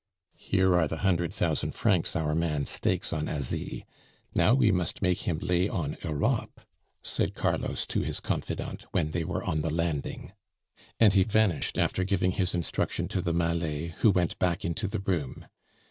"Here are the hundred thousand francs our man stakes on Asie. Now we must make him lay on Europe," said Carlos to his confidante when they were on the landing. And he vanished after giving his instruction to the Malay who went back into the room.